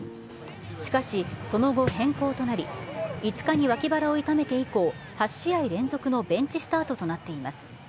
しかし、その後変更となり、５日に脇腹を痛めて以降、８試合連続のベンチスタートとなっています。